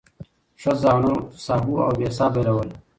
ښځه او نر ساهو او بې ساه بېلول